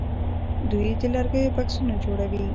دوی د لرګیو بکسونه جوړوي.